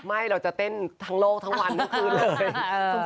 ไม่เราจะเต้นทั้งโลกทั้งวันทั้งคืนเลย